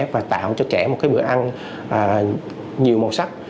và tạo cho trẻ một cái bữa ăn nhiều màu sắc